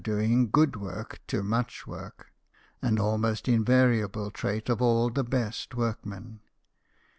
133 doing good work to much work an almost in variable trait of all the best workmen.